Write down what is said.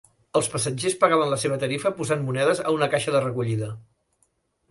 Els passatgers pagaven la seva tarifa posant monedes a una caixa de recollida.